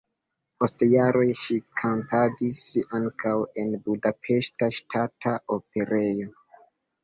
Post jaroj ŝi kantadis ankaŭ en Budapeŝta Ŝtata Operejo.